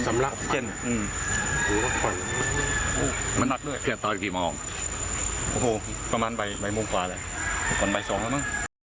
สำลักษณ์มันนัดเมื่อเกี่ยวตอนกี่มองประมาณใบมุมกว่าแหละควรใบสองแล้วมั้ง